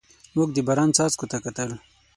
موږ د باران څاڅکو ته کتل.